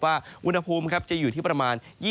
พบว่าอุณหภูมิจะอยู่ที่ประมาณ๒๒องศาเซลเซียต